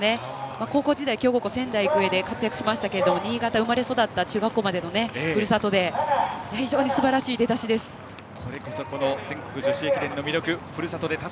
高校時代強豪校の仙台育英で活躍しましたけども新潟で生まれ育った中学校までのふるさとで非常にすばらしい出だしです。